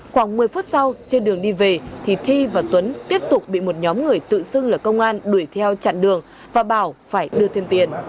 khoảng một mươi phút sau trên đường đi về thì thi và tuấn tiếp tục bị một nhóm người tự xưng là công an đuổi theo chặn đường và bảo phải đưa thêm tiền